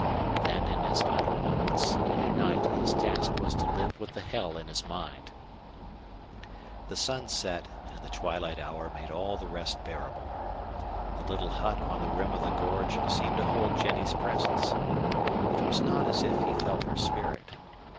Then in his idle moments and at night his task was to live with the hell in his mind. The sunset and the twilight hour made all the rest bearable. The little hut on the rim of the gorge seemed to hold Jennie's presence. It was not as if he felt her spirit.